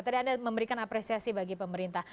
tadi anda memberikan apresiasi bagi pemerintah